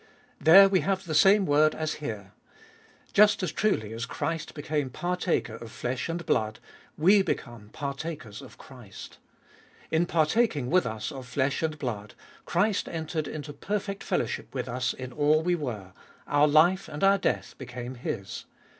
There we have the same word as here. Just as truly as Christ became partaker of flesh and blood we become partakers of Christ. In partaking with us of flesh and blood, Christ entered into perfect fellow ship with us in all we were, our life and our death became His.